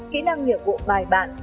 kỹ năng nhiệm vụ bài bản